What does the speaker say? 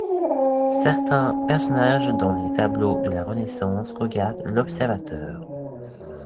Certains personnages dans les tableaux de la Renaissance regardent l'observateur.